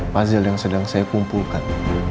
puzzle yang sedang saya kumpulkan